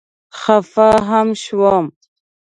خفه هم شوم.